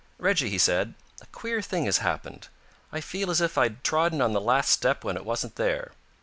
"Reggie," he said, "a queer thing has happened. I feel as if I'd trodden on the last step when it wasn't there.